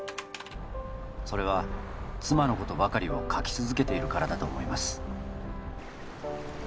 それは妻の事ばかりを書き続けているからだと思います